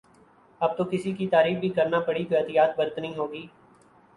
اب تو کسی کی تعریف بھی کرنا پڑی تو احتیاط برتنی ہو گی